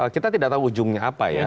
kita tidak tahu ujungnya apa ya